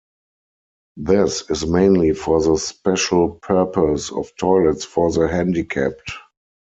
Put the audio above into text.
This is mainly for the special purpose of toilets for the handicapped.